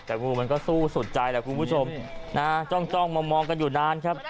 แต่งูมันก็สู้สุดใจแหละคุณผู้ชมนะจ้องมองกันอยู่นานครับ